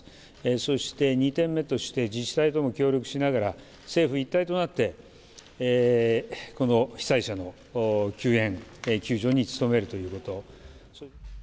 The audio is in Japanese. そして２点目として自治体との協力しながら政府一体となってこの被災者の救援救助に努めるということ。